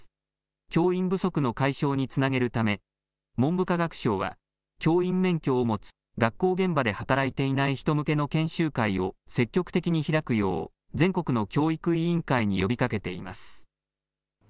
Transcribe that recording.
教員不足の解消につなげるため、文部科学省は教員免許を持つ、学校現場で働いていない人向けの研修会を積極的に開くよう、全国の教育委員会に呼びかけています。